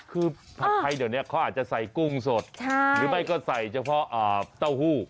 คือผัดไทยเดี๋ยวนี้เขาอาจจะใส่กุ้งสดหรือไม่ก็ใส่เฉพาะเต้าหู้